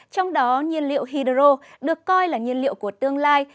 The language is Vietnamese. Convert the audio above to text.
trong đó nhiên liệu hydro được coi là nhiên liệu của tương lai